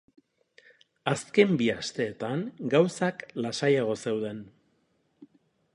Azken bi asteetan gauzak lasaiago zeuden.